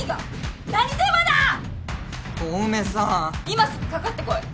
今すぐかかってこい。